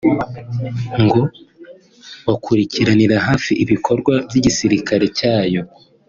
ngo bakurikiranira hafi ibikorwa by’igisirikare cyayo